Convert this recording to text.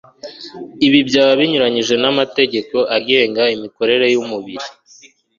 ibi byaba binyuranyije n'amategeko agenga imikorere y'umubiri